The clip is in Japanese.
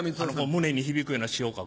胸に響くような詩を書く。